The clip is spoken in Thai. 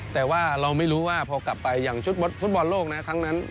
แต่ว่าเราไม่รู้ว่าพอกลับไปอย่างชุดฟุตบอลโลกนะครั้งนั้น